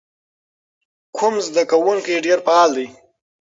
کوم زده کوونکی ډېر فعال دی؟